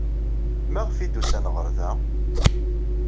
Maɣef ay d-usan ɣer da?